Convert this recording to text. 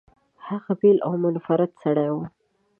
هغه بېل او منفرد سړی و.